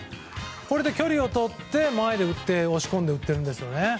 これで距離をとって前で打って押し込んで打ってるんです。